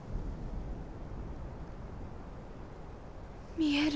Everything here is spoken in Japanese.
見える。